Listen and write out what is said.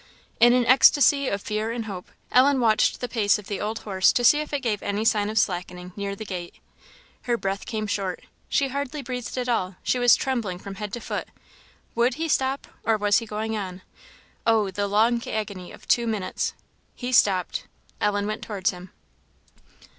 In an ecstasy of fear and hope, Ellen watched the pace of the old horse to see if it gave any sign of slackening near the gate. Her breath came short, she hardly breathed at all, she was trembling from head to foot. Would he stop, or was he going on? Oh! the long agony of two minutes! He stopped. Ellen went towards him.